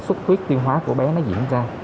sốt huyết tiêu hóa của bé nó diễn ra